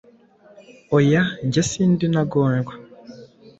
oya Njye sindi intagondwa